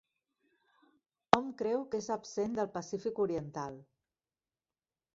Hom creu que és absent del Pacífic oriental.